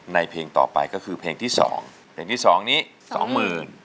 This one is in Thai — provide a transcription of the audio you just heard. เพลงต่อไปก็คือเพลงที่สองเพลงที่สองนี้สองหมื่น